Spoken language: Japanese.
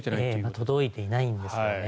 届いていないんですよね。